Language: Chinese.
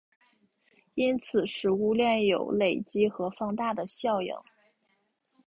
因此食物链有累积和放大的效应。